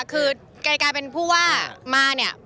การการเป็นผู้ว่ามาเนี่ย